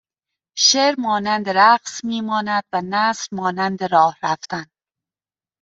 شعر مانند رقص میماند و نثر مانند راه رفتن